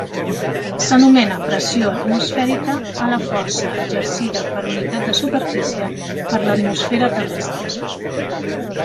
S’anomena pressió atmosfèrica a la força exercida per unitat de superfície per l’atmosfera terrestre.